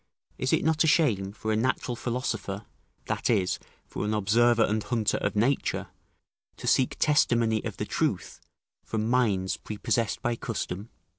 ["Is it not a shame for a natural philosopher, that is, for an observer and hunter of nature, to seek testimony of the truth from minds prepossessed by custom?"